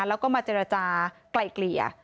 แล้วก็มาเจรจากลายเกลี่ย